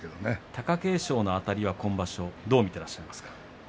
貴景勝のあたりは今場所どう見ていらっしゃいますか。